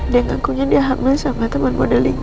dia ngangkuknya dia hamil sama teman modelingnya